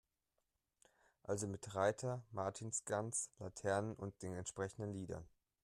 Also mit Reiter, Martinsgans, Laternen und den entsprechenden Liedern.